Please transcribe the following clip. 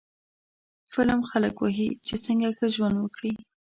فلم خلک وښيي چې څنګه ښه ژوند وکړي